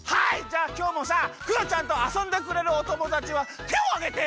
じゃあきょうもさクヨちゃんとあそんでくれるおともだちはてをあげて！